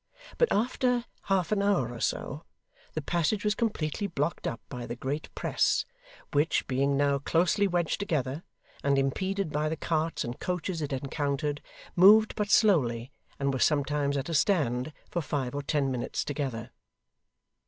But after half an hour or so, the passage was completely blocked up by the great press, which, being now closely wedged together, and impeded by the carts and coaches it encountered, moved but slowly, and was sometimes at a stand for five or ten minutes together.